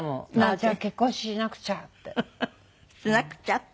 じゃあ結婚しなくちゃって。